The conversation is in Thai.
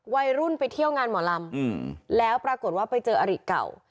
วัยรุ่นไปเที่ยวงานหมอลำแล้วปรากฏว่าไปเจออริเก่า